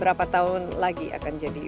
berapa tahun lagi akan jadi